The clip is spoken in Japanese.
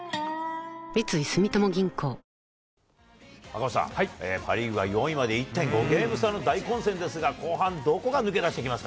赤星さん、パ・リーグは４位まで１．５ゲーム差の大混戦ですが、後半、どこが抜け出してきま